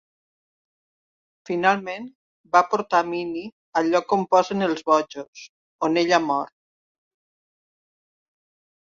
Finalment, van portar a Minnie al lloc "on posen els bojos", on ella mor.